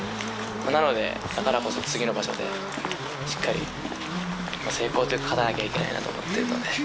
なのでだからこそ次の場所でしっかりまあ成功というか勝たなきゃいけないなと思ってるので。